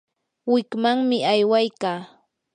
wikmanmi aywaykaa.